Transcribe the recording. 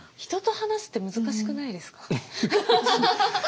人と話すって難しくないですか？